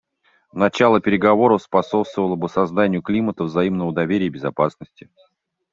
Начало переговоров способствовало бы созданию климата взаимного доверия и безопасности.